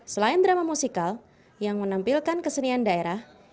selain drama musikal yang menampilkan kesenian daerah